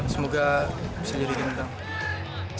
semoga bisa jadi pilihan utama